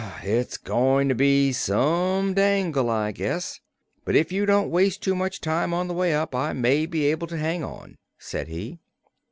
"It's goin' to be some dangle, I guess; but if you don't waste too much time on the way up, I may be able to hang on," said he.